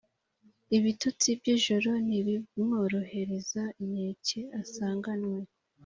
ibitotsi by’ijoro ntibimworohereza inkeke asanganywe.